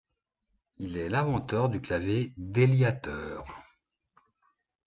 Il est l'inventeur du clavier déliateur.